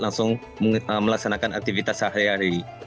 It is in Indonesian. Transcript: langsung melaksanakan aktivitas sehari hari